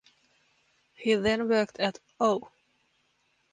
He then worked at Oh!